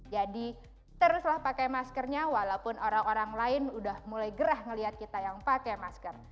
jadi teruslah pakai maskernya walaupun orang orang lain udah mulai gerah ngelihat kita yang pakai masker